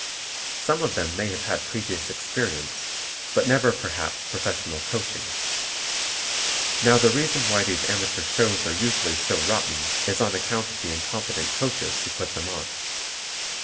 Some of them may have had previous experience, but never perhaps professional coaching. Now the reason why these amateur shows are usually so rotten is on account of the incompetent coaches who put them on.